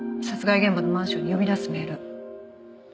殺害現場のマンションに呼び出すメール。